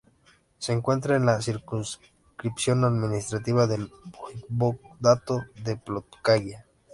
Se encuentra en la circunscripción administrativa del Voivodato de Podlaquia.